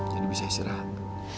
jadi bisa istirahat